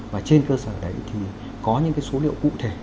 và trên cơ sở đấy thì có những số liệu cụ thể